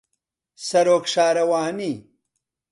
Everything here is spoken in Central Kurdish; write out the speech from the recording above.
سەرۆک شارەوانی